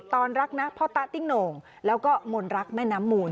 รักนะพ่อตาติ้งโหน่งแล้วก็มนรักแม่น้ำมูล